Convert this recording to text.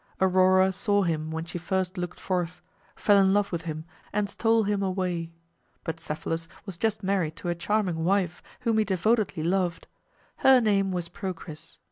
Aurora saw him when she first looked forth, fell in love with him, and stole him away. But Cephalus was just married to a charming wife whom he devotedly loved. Her name was Procris.